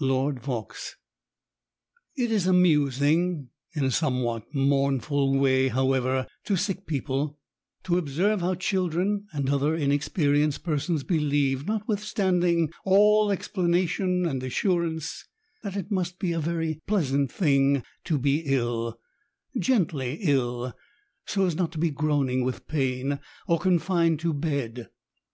Loan Yaux. It is amusing (in a somewhat mournful way, however,) to sick people, to observe how children and other inexperienced persons believe, notwith standing all explanation and assurance, that it must be a very pleasant thing to be ill — gently ill, so as not to be groaning with pain, or confined to bed.